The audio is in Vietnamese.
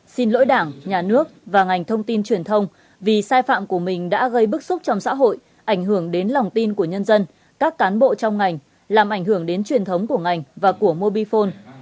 xin lỗi đảng nhà nước và ngành thông tin truyền thông vì sai phạm của mình đã gây bức xúc trong xã hội ảnh hưởng đến lòng tin của nhân dân các cán bộ trong ngành làm ảnh hưởng đến truyền thống của ngành và của mobifone